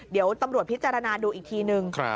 เดี๋ยวตำรวจพิจารณาดูอีกทีนึง